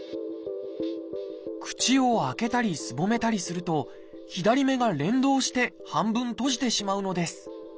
口を開けたりすぼめたりすると左目が連動して半分閉じてしまうのです。